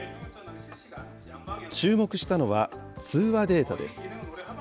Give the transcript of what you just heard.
注目したのは、通話データです。